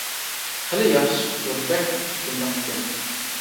خېلى ياخشى چىقىپتۇ، بەك تېتىملىق ئىكەن.